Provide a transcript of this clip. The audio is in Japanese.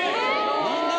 何で！？